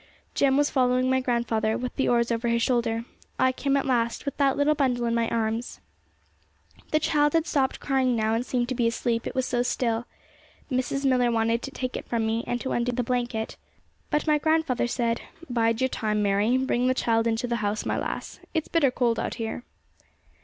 Jem was following my grandfather, with the oars over his shoulder. I came last, with that little bundle in my arms. The child had stopped crying now, and seemed to be asleep, it was so still. Mrs. Millar wanted to take it from me, and to undo the blanket, but my grandfather said 'Bide your time, Mary; bring the child into the house, my lass; it's bitter cold out here.'